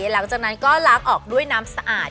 หลังจากนั้นล๊อกออกด้วยสะอ่ารัด